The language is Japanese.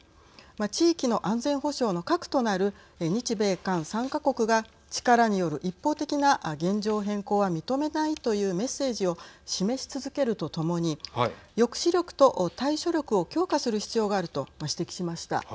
地域の安全保障の核となる日米韓３か国が力による一方的な現状変更は認めないというメッセージを示し続けるとともに抑止力と対処力を強化する必要があると指摘しました。